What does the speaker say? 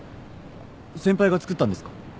先輩が作ったんですか？